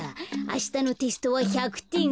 あしたのテストは１００てん。